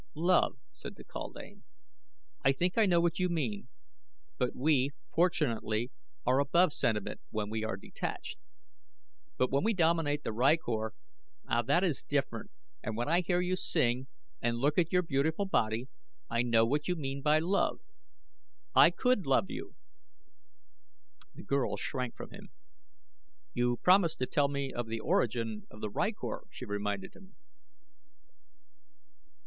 "Love!" said the kaldane. "I think I know what you mean; but we, fortunately, are above sentiment when we are detached. But when we dominate the rykor ah, that is different, and when I hear you sing and look at your beautiful body I know what you mean by love. I could love you." The girl shrank from him. "You promised to tell me the origin of the rykor," she reminded him.